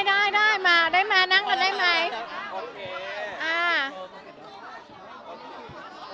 ได้ได้ได้มาได้มานั่งกันได้ไหม